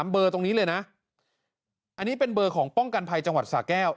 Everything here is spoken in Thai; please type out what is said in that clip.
เบอร์ตรงนี้เลยนะอันนี้เป็นเบอร์ของป้องกันภัยจังหวัดสาแก้ว